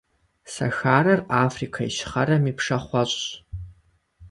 Сахарэр - Африкэ Ищхъэрэм и пшахъуэщӏщ.